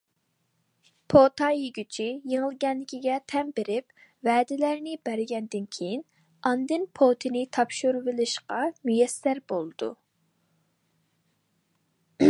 پوتا يېگۈچى يېڭىلگەنلىكىگە تەن بېرىپ ۋەدىلەرنى بەرگەندىن كېيىن، ئاندىن پوتىنى تاپشۇرۇۋېلىشقا مۇيەسسەر بولىدۇ.